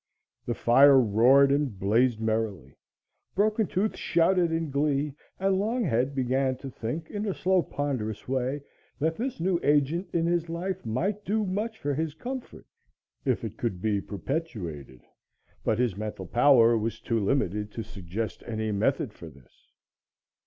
The fire roared and blazed merrily, Broken Tooth shouted in glee, and Longhead began to think, in a slow ponderous way, that this new agent in his life might do much for his comfort if it could be perpetuated, but his mental power was too limited to suggest any method for this.